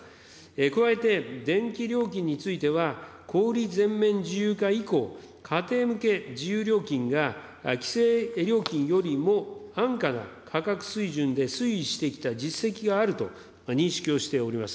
加えて電気料金については、小売り全面自由化以降、家庭向け自由料金が、きせい料金よりも安価な価格水準で推移してきた実績があると認識をしております。